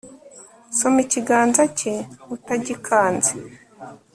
Soma ikiganza cye utagikanze